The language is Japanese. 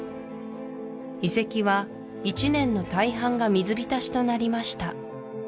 遺跡は１年の大半が水浸しとなりました